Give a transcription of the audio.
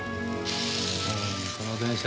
この電車